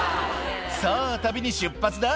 「さぁ旅に出発だ」